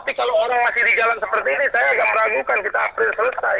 tapi kalau orang masih di jalan seperti ini saya agak meragukan kita april selesai